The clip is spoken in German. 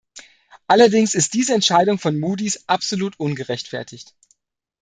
Allerdings ist diese Entscheidung von Moody's absolut ungerechtfertigt.